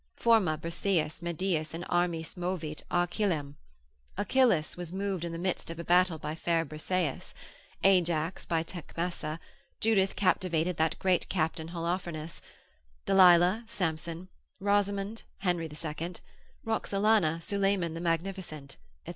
Forma Briseis mediis in armis movit Achillem, Achilles was moved in the midst of a battle by fair Briseis, Ajax by Tecmessa; Judith captivated that great Captain Holofernes: Dalilah, Samson; Rosamund, Henry the Second; Roxolana, Suleiman the Magnificent, &c.